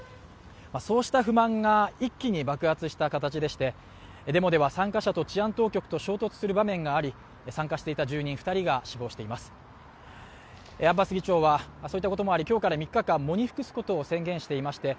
そうした不満が一気に爆発した形でして、デモでは参加者と治安当局と衝突する場面があり参加していた住人２人が死亡しています、アッバス議長はそうしたこともあり今日から３日間喪に服すと宣言していまして